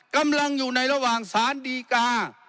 กำลังอยู่ในระหว่างสารดีกา